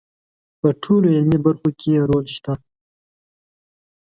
په ټولو علمي برخو کې یې رول شته.